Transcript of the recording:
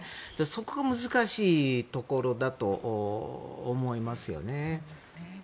そこが難しいところだと思いますよね。